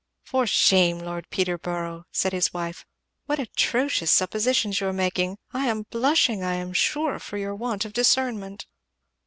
"For shame, Lord Peterborough!" said his wife, "what atrocious suppositions you are making. I am blushing, I am sure, for your want of discernment."